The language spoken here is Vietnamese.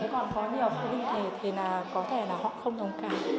còn có nhiều phụ huynh thì có thể là họ không đồng cảm